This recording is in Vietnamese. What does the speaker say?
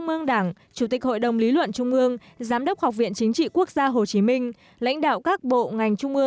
hà tĩnh hà tĩnh hà tĩnh